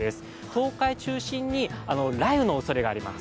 東海中心に雷雨のおそれがあります。